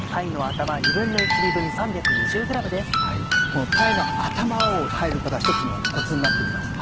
この鯛の頭を入ることが一つのコツになって来ます。